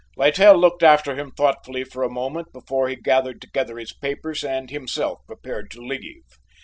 Littell looked after him thoughtfully for a moment before he gathered together his papers and himself prepared to leave.